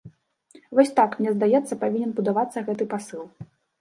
Вось так, мне здаецца, павінен будавацца гэты пасыл.